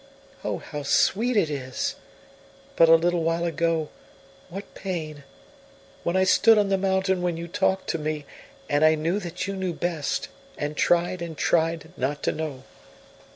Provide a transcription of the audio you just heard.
Oh, how sweet it is! But a little while ago, what pain! When I stood on the mountain when you talked to me, and I knew that you knew best, and tried and tried not to know.